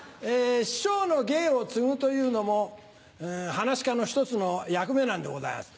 師匠の芸を継ぐというのも噺家の１つの役目なんでございます。